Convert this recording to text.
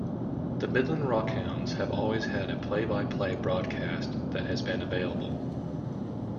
The Midland Rockhounds have always had a play-by-play broadcast that has been available.